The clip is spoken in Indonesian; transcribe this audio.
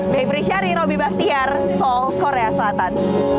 bebri syari robby bakhtiar seoul korea selatan